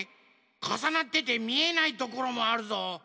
かさなっててみえないところもあるぞ。